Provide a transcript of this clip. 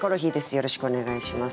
よろしくお願いします。